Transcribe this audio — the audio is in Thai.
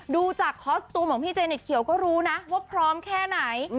ดูจากคอสตูมของพี่เจเน็ตเขียวก็รู้นะว่าพร้อมแค่ไหน